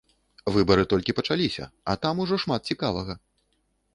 Выбары толькі пачаліся, а там ужо шмат цікавага!